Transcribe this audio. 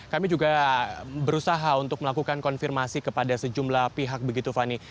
kami juga berusaha untuk melakukan konfirmasi kepada sejumlah pihak begitu fani